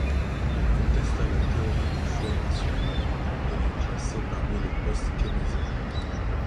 Il contesta la théorie du choix rationnel et est classé parmi les post-Keynésiens.